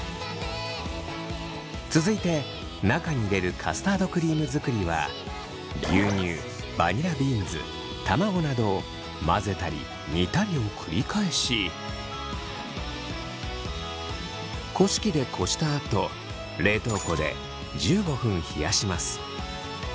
続いて中に入れるカスタードクリーム作りは牛乳バニラビーンズ卵などを混ぜたり煮たりを繰り返しこし器でこしたあと冷凍庫で１５分冷やします。